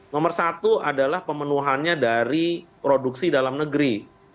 nomor satu adalah pemenuhannya dari produksi dalam negeri